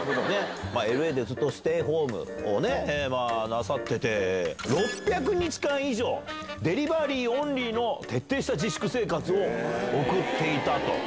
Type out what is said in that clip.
ＬＡでずっとステイホームをなさってて、６００日間以上、デリバリーオンリーの徹底した自粛生活を送っていたと。